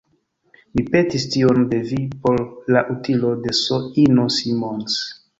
Mi petis tion de vi por la utilo de S-ino Simons.